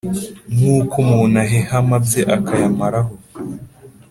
nk’uko umuntu aheha amabyi akayamaraho